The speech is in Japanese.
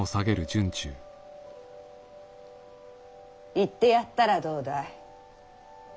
行ってやったらどうだい？